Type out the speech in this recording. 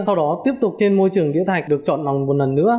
sau đó tiếp tục trên môi trường địa thạch được chọn nòng một lần nữa